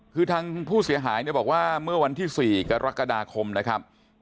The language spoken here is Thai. คือทางผู้เสียหายเนี่ยบอกว่าเมื่อวันที่๔กรกฎาคมนะครับ